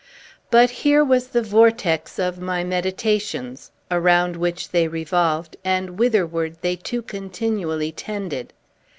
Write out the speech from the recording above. But here was the vortex of my meditations, around which they revolved, and whitherward they too continually tended.